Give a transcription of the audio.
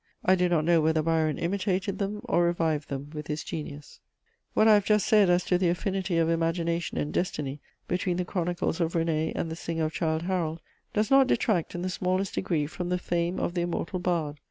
I do not know whether Byron imitated them or revived them with his genius." [Sidenote: Literary affinity.] What I have just said as to the affinity of imagination and destiny between the chronicles of René and the singer of Childe Harold does not detract in the smallest degree from the fame of the immortal bard.